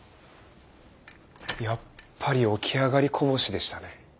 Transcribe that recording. やっぱり起き上がりこぼしでしたね。